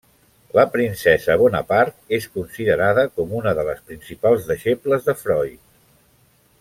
La princesa Bonaparte és considerada com una de les principals deixebles de Freud.